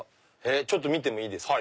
ちょっと見てもいいですか？